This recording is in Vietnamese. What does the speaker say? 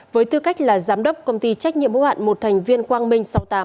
với tư cách là giám đốc công ty trách nhiệm hữu hạn một thành viên quang minh sáu mươi tám